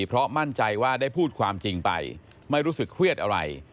เพราะมั่นใจว่าได้พูดความจริงไปไม่รู้สึกเครียดอะไร